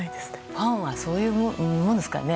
ファンはそう思うんですかね。